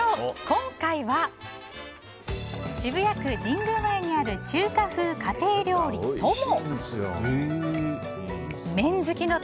今回は、渋谷区神宮前にある中華風家庭料理とも。